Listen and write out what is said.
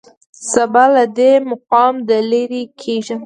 سبا له دې مقامه لېرې کېږم.